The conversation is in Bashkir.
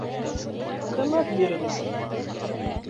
—Ҡымыҙ бирегеҙ!